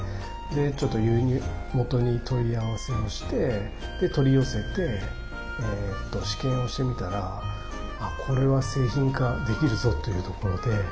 輸入元に問い合わせをして取り寄せて試験をしてみたらこれは製品化できるぞというところで。